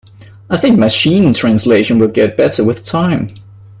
I think Machine Translation will get better with time.